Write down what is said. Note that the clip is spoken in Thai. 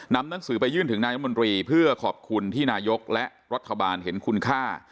หนังสือไปยื่นถึงนายรัฐมนตรีเพื่อขอบคุณที่นายกและรัฐบาลเห็นคุณค่า